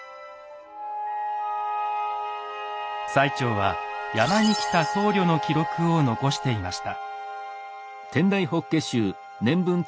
最澄は山に来た僧侶の記録を残していました。